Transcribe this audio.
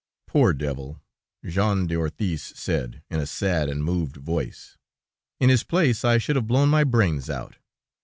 "Poor devil!" Jean d'Orthyse said, in a sad and moved voice. "In his place, I should have blown my brains out."